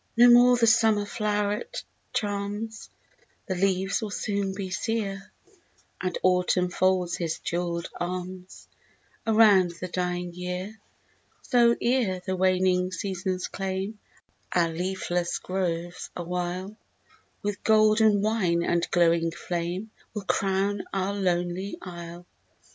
No more the summer floweret charms, The leaves will soon be sere, And Autumn folds his jewelled arms Around the dying year; So, ere the waning seasons claim Our leafless groves awhile, With golden wine and glowing flame We 'll crown our lonely isle.